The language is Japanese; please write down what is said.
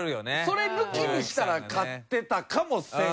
それ抜きにしたら勝ってたかもせん。